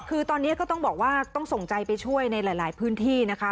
คือตอนนี้ก็ต้องบอกว่าต้องส่งใจไปช่วยในหลายพื้นที่นะคะ